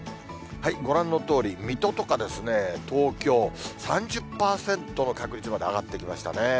ご覧のとおり、水戸とか東京、３０％の確率まで上がってきましたね。